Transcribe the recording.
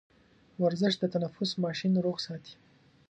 ورزش د تنفس ماشين روغ ساتي.